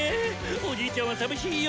おじいちゃんは寂しいよ！